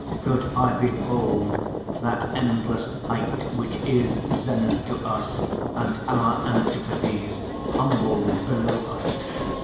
Could I behold that endlesse height which is Zenith to us, and our Antipodes, Humbled below us?